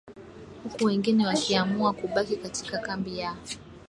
huku wengine wakiamua kubaki katika kambi ya